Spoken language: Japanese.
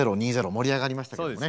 盛り上がりましたけれどもね。